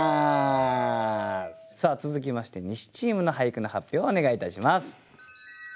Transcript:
さあ続きまして西チームの俳句の発表をお願いいたします。